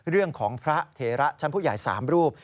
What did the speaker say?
เรื่องของพระเถระชั้นผู้ใหญ่๓รูป